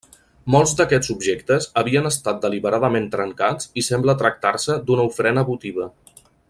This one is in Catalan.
Molts d'aquests objectes havien estat deliberadament trencats i sembla tractar-se d'una ofrena votiva.